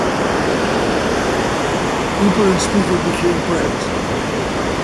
Hooper and Speaker became friends.